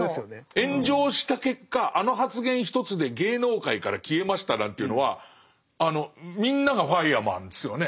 炎上した結果あの発言一つで芸能界から消えましたなんていうのはあのみんながファイアマンですよね。